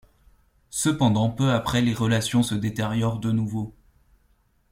Cependant peu après les relations se détériorent de nouveau.